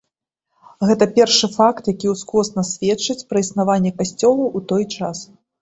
Гэта першы факт, які ўскосна сведчыць пра існаванне касцёла ў той час.